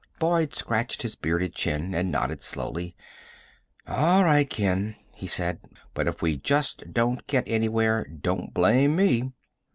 Boyd scratched his bearded chin and nodded slowly. "All right, Ken," he said. "But if we just don't get anywhere, don't blame me."